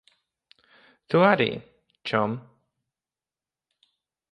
Tu arī, čom.